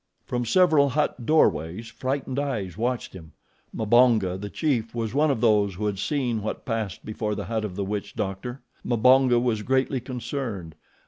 From several hut doorways frightened eyes watched him. Mbonga, the chief, was one of those who had seen what passed before the hut of the witch doctor. Mbonga was greatly concerned.